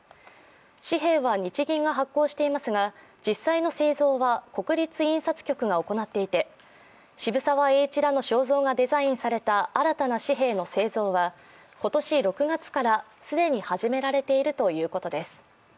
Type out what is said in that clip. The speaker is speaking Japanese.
紙幣は日銀が発行していますが、実際の製造は国立印刷局が行っていて渋沢栄一らの肖像がデザインされた新たな紙幣の製造は今年６月から既に始められているということです。